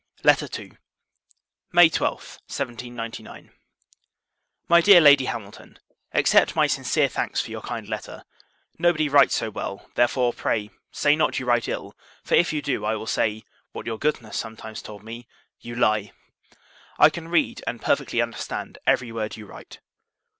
LETTER II. [May 12, 1799.] MY DEAR LADY HAMILTON, Accept my sincere thanks for your kind letter. Nobody writes so well: therefore, pray, say not you write ill; for, if you do, I will say what your goodness sometimes told me "You l e!" I can read, and perfectly understand, every word you write.